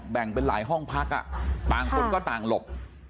เบ่งเป็นห้องพักคงต่างหลบ